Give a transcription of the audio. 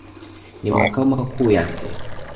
Ni makao makuu yake.